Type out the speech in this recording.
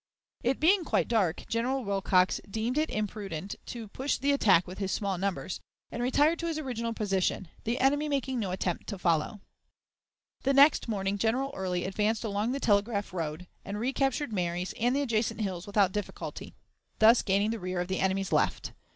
It being quite dark, General Wilcox deemed it imprudent to push the attack with his small numbers, and retired to his original position, the enemy making no attempt to follow. The next morning General Early advanced along the Telegraph road, and recaptured Marye's and the adjacent hills without difficulty, thus gaining the rear of the enemy's left.